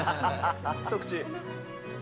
一口。